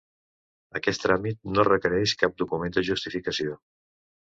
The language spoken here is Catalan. Aquest tràmit no requereix cap document de justificació.